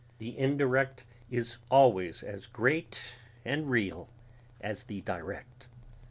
The indirect is always as great and real as the direct.